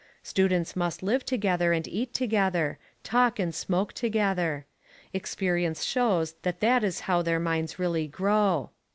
Students must live together and eat together, talk and smoke together. Experience shows that that is how their minds really grow.